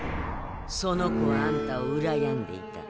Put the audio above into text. その子はあんたをうらやんでいた。